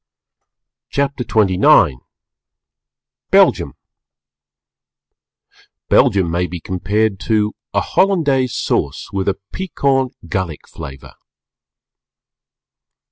CHAPTER XXIX BELGIUM Belgium may be compared to a Hollandaise Sauce with a piquant Gallic flavour.